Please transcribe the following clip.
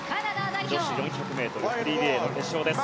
女子４００ｍフリーリレーの決勝です。